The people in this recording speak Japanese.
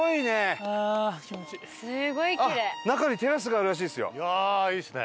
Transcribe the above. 伊達：中にテラスがあるらしいですよ。